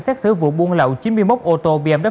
xét xử vụ buôn lậu chín mươi một ô tô bmw